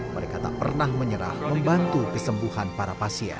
mereka tak pernah menyerah membantu kesembuhan para pasien